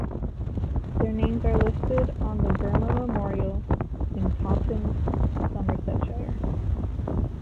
Their names are listed on the Burma Memorial in Taunton, Somersetshire.